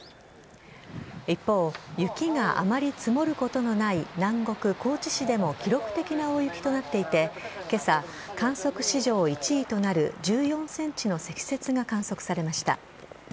一方雪があまり積もることのない南国・高知市でも記録的な大雪となっていて今朝、観測史上１位となる１４ｃｍの積雪が観測されました。